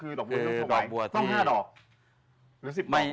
หรือ๑๐ดอก